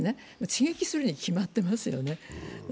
刺激するに決まってますよね。